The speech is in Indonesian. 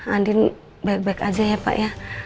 andin baik baik aja ya pak ya